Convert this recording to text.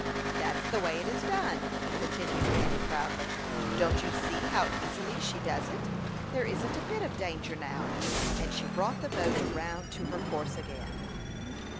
"That's the way it is done," continued Fanny, proudly. "Don't you see how easily she does it? There isn't a bit of danger now;" and she brought the boat round to her course again.